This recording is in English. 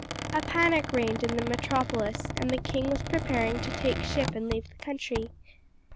A panic reigned in the metropolis, and the king was preparing to take ship and leave the country.